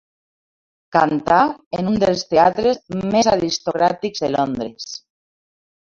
Cantà en un dels teatres més aristocràtics de Londres.